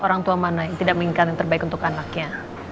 orang tua mana yang tidak menginginkan yang terbaik untuk anaknya